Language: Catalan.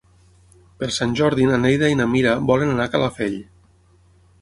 Per Sant Jordi na Neida i na Mira volen anar a Calafell.